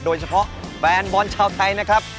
โดยเฉพาะแฟนบอลชาวไทยนะครับ